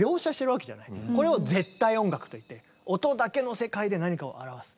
これを絶対音楽といって音だけの世界で何かを表す。